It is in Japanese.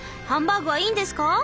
ハンバーグはいいんですか？